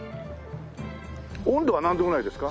温度は何度ぐらいですか？